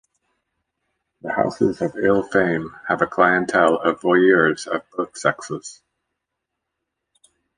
The houses of ill-fame have a clientele of voyeurs of both sexes.